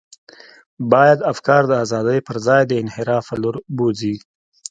باید افکار د ازادۍ پر ځای د انحراف پر لور بوزي.